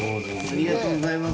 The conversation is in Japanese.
ありがとうございます。